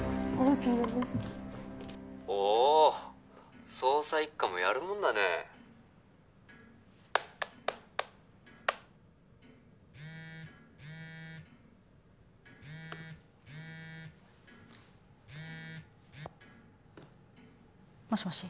おお捜査一課もやるもんだねもしもし？